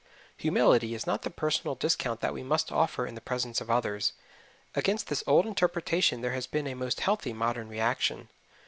Humility is not the personal discount that we must offer in the presence of others against this old interpretation there has been a most healthy modern reaction.